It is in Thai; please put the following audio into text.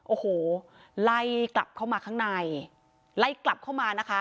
โอ้โหไล่กลับเข้ามาข้างในไล่กลับเข้ามานะคะ